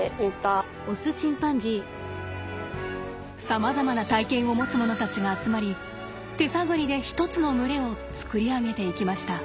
さまざまな体験を持つ者たちが集まり手探りで一つの群れを作り上げていきました。